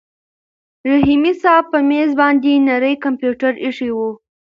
رحیمي صیب په مېز باندې نری کمپیوټر ایښی و.